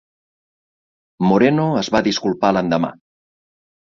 Moreno es va disculpar l'endemà.